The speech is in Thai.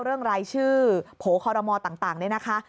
เรื่องรายชื่อโผล่คอรมอต่างนี่นะคะ